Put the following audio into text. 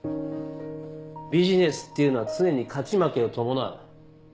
ビジネスっていうのは常に勝ち負けを伴う。